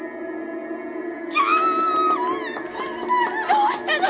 どうしたの！？